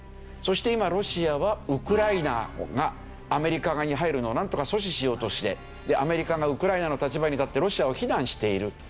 そして今ロシアはウクライナがアメリカ側に入るのをなんとか阻止しようとしてアメリカがウクライナの立場に立ってロシアを非難している。